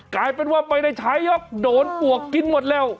กลายเป็นว่าไม่ได้ใช้หรอกโดนปวกกินหมดแล้ว